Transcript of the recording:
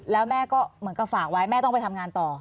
แล้วแม่ก็เหมือนกับฝากไว้แม่ต้องไปทำงานต่อ